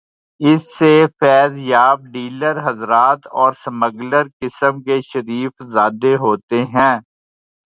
اس سے فیضیاب ڈیلر حضرات اور سمگلر قسم کے شریف زادے ہوتے ہیں۔